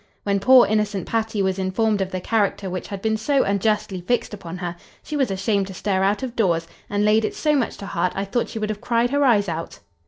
When poor innocent Patty was informed of the character which had been so unjustly fixed upon her, she was ashamed to stir out of doors, and laid it so much to heart I thought she would have cried her eyes out."